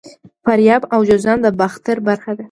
فاریاب او جوزجان د باختر برخه وو